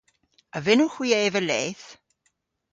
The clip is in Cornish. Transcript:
A vynnowgh hwi eva leth?